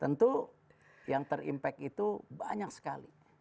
tentu yang terimpact itu banyak sekali